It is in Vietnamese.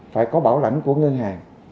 phải có bảo lãnh của ngân hàng